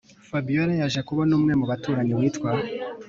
Fabiora yaje kubona umwe mubaturanyi witwa